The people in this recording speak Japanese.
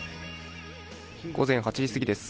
午前８時過ぎです。